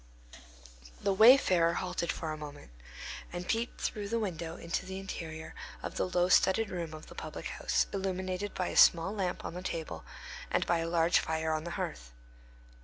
The wayfarer halted for a moment, and peeped through the window into the interior of the low studded room of the public house, illuminated by a small lamp on a table and by a large fire on the hearth.